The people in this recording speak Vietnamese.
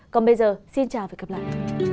còn bây giờ xin chào và hẹn gặp lại